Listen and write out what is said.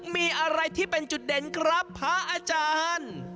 มีอะไรที่เป็นจุดเด่นครับพระอาจารย์